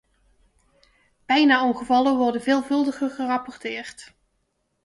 Bijna-ongevallen worden veelvuldiger gerapporteerd.